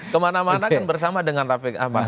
kemana mana bersama dengan rafi ahmad